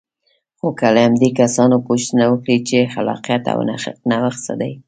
خو که له همدې کسانو پوښتنه وکړئ چې خلاقیت او نوښت څه دی.